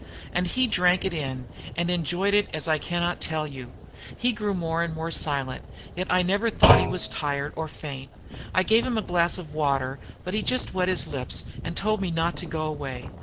"And he drank it in and enjoyed it as I cannot tell you. He grew more and more silent, yet I never thought he was tired or faint. I gave him a glass of water, but he just wet his lips, and told me not to go away.